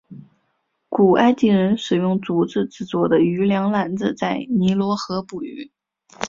古埃及人使用竹子制作的渔梁篮子在尼罗河捕鱼。